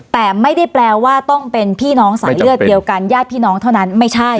แต่ไม่ได้แปลว่าต้องเป็นพี่น้องสายเลือดเดียวกันญาติพี่น้องเท่านั้นไม่ใช่